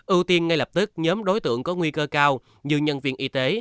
ưu tiên ngay lập tức nhóm đối tượng có nguy cơ cao như nhân viên y tế